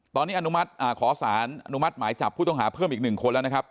ตอนนี้อนุมัติขอสารอนุมัติหมายจับผู้ต้องหาเพิ่มอีก๑คนแล้วนะครับ